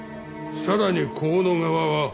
さらに香野側は。